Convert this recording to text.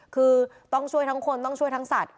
คือต้องช่วยทั้งคนต้องช่วยทั้งสัตว